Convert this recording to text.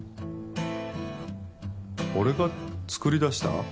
俺が作り出した？